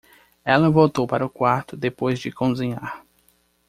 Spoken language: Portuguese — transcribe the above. Ela voltou para o quarto depois de cozinhar.